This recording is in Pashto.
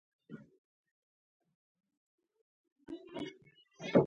ځانګړنو ته يې الهام بښونکې رهبري او جذابيت وايو.